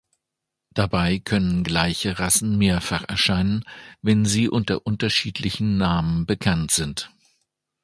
Dabei können gleiche Rassen mehrfach erscheinen, wenn sie unter unterschiedlichen Namen bekannt sind.